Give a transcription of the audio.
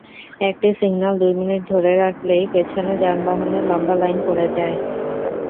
একটি সিগন্যাল দুই মিনিট ধরে রাখলেই পেছনে যানবাহনের লম্বা লাইন পড়ে যায়।